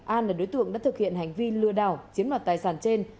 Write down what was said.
an là đối tượng đã thực hiện hành vi lừa đảo chiếm đoạt tài sản trên